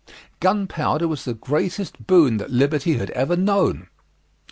Gunpowder was the greatest boon that liberty had ever known."